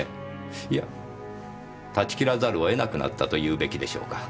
いや断ち切らざるを得なくなったと言うべきでしょうか。